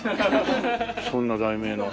そんな題名の。